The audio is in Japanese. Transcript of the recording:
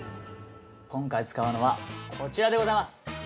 今回使うのが、こちらでございます。